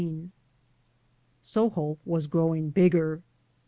Soho was growing bigger.